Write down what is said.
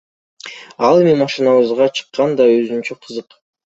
Ал эми машинабызга чыккан да өзүнчө кызык.